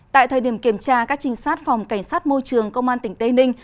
tại thời điểm kiểm tra các trinh sát phòng cảnh sát môi trường công an tỉnh tây ninh